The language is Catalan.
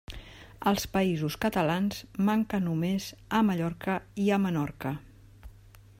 Als Països Catalans manca només a Mallorca i a Menorca.